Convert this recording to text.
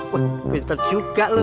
wah pinter juga lo